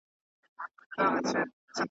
چي سرسایې او عالمانو ته خیرات ورکوي .